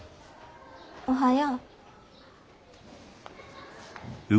おはよう。